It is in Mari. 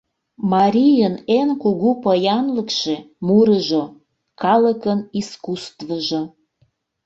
Марийын эн кугу поянлыкше — мурыжо, калыкын искуссствыжо.